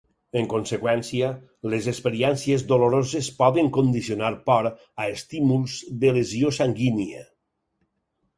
En conseqüència, les experiències doloroses poden condicionar por a estímuls de lesió sanguínia.